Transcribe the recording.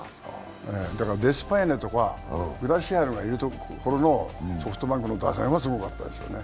だからデスパイネとかグラシアルがいるころのソフトバンクの打線はすごかったですよね。